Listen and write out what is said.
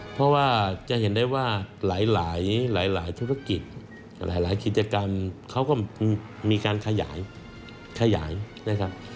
เพราะว่าจะเห็นได้ว่าหลายธุรกิจหลายกิจกรรมเขาก็มีการขยายขยายนะครับ